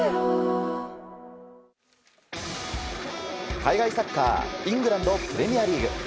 海外サッカーイングランド・プレミアリーグ。